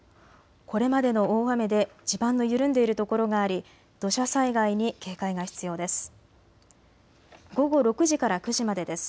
これまでの大雨で地盤の緩んでいるところがあり土砂災害に警戒が必要です。